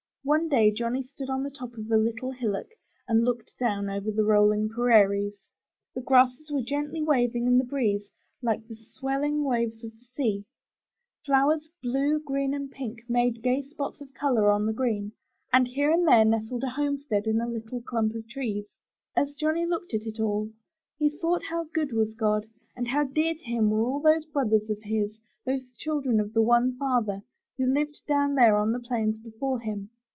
One day Johnny stood on the top of a little hillock and looked down over the rolling prairies. The grasses were gently waving in the breeze like the swelling 353 MY BOOK HOUSE ^?5^ h'^{ waves of the sea; flowers, blue, white, and pink made gay spots of color on the green, and here and there nestled a homestead in a little clump of trees. As Johnny looked at it all, he thought how good was God and how dear to him were all those brothers of his, those children of the one Father, who lived down there on the plains before him.